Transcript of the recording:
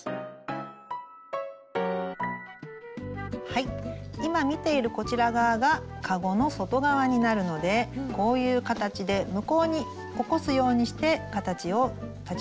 はい今見ているこちら側がかごの外側になるのでこういう形で向こうに起こすようにして形を立ち上げていきます。